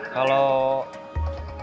kalau per spg